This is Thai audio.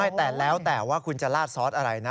ใช่แต่แล้วแต่ว่าคุณจะลาดซอสอะไรนะ